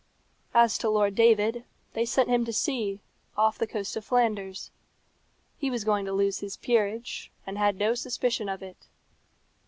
As to Lord David, they sent him to sea, off the coast of Flanders. He was going to lose his peerage, and had no suspicion of it.